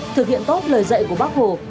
thực hiện tốt lời dạy của bác hồ